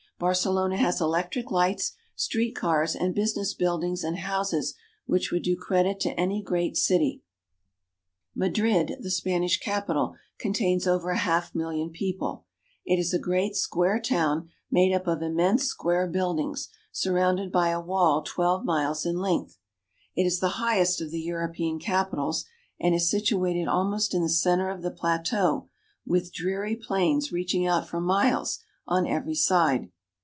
Barcelona has electric lights, street cars, and business buildings and houses which would do credit to any great city. Madrid, the Spanish capital, contains over a half mil lion people. It is a great square town made up of im mense square buildings surrounded by a wall twelve miles L, Jl ..<*■?:.,'■.;..".''.■'. 1. . u mag'"' ^ m*< ;''^*^ Royal Palace. in length. It is the highest of the European capitals, and is situated almost in the center of the plateau, with dreary plains reaching out for miles on every side.